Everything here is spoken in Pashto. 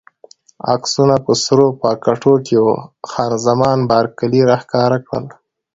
عکسونه په سرو پاکټو کې وو، خان زمان بارکلي راښکاره کړل.